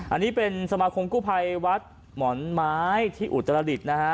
อันนี้เป็นสมาคมกู้ภัยวัดหมอนไม้ที่อุตรดิษฐ์นะฮะ